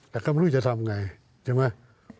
ถ้าก็รู้จะทำยังไงใช่ไหม